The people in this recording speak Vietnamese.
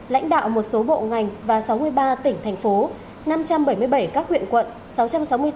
lãnh đạo một số bộ ngành và sáu mươi ba tỉnh thành phố năm trăm bảy mươi bảy các huyện quận